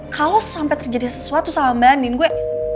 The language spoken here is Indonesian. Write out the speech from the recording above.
kalau sampai terjadi sesuatu sama mbak andin gue